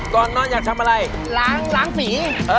ก่อนนอนอยากทำอะไรล้างฝี